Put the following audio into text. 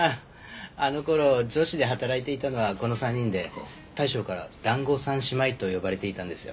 あの頃女子で働いていたのはこの３人で大将から団子三姉妹と呼ばれていたんですよ。